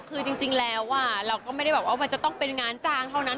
คือจริงแล้วก็ไม่ได้ว่าจะต้องมีงานจางเท่านั้น